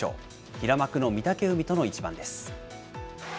平幕の御嶽海との一番です。